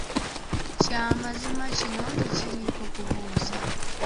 Kya mazima kino tekiriiko kubuuza